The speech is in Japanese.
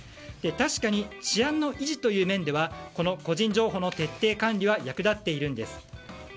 確かに、治安の維持という面では個人情報の徹底管理は役立っているんです。